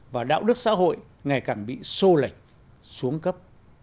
và đạo đức xã hội ngày càng bị sô lệch xuống cấp